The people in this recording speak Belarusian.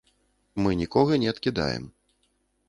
Мы нікога не адкідаем.